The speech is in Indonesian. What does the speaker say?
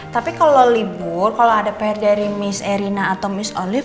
tapi kalau libur kalau ada pr dari miss erina atau miss olive